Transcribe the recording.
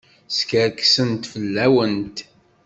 Skerksent fell-awent.